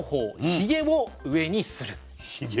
ひげを上にする。